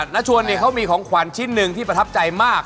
น้าชวนเนี่ยเขามีของขวัญชิ้นหนึ่งที่ประทับใจมาก